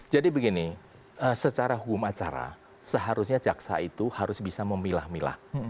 jadi begini secara hukum acara seharusnya jaksa itu harus bisa memilah milah